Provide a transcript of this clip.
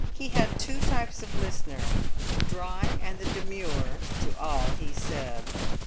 He had two types of listener—the dry and the demure—to all he said.